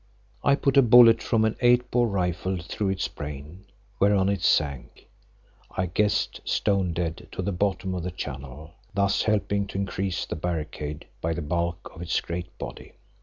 I put a bullet from an eight bore rifle through its brain, whereon it sank, as I guessed, stone dead to the bottom of the channel, thus helping to increase the barricade by the bulk of its great body.